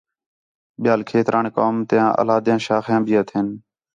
ٻیال کھیتران قوم تے علیحدہ شاخیاں بھی ہتھین